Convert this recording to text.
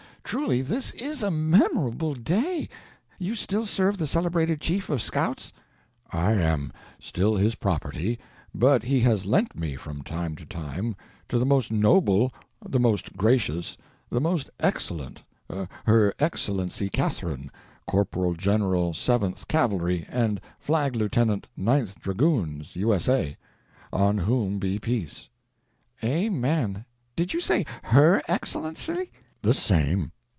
Truly this is a memorable day. You still serve the celebrated Chief of Scouts?" "I am still his property, but he has lent me, for a time, to the most noble, the most gracious, the most excellent, her Excellency Catherine, Corporal General Seventh Cavalry and Flag Lieutenant Ninth Dragoons, U.S.A.,—on whom be peace!" "Amen. Did you say her Excellency?" "The same.